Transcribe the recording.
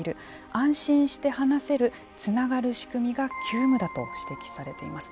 安心して話せるつながる仕組みが急務だと指摘されています。